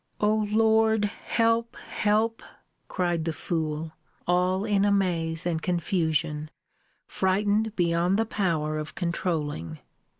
O Lord: help, help, cried the fool, all in amaze and confusion, frighted beyond the power of controuling.